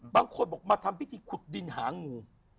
บางคนบอกมาทำพิธีขุดดินหางู